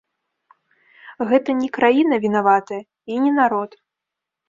Гэта не краіна вінаватая, і не народ.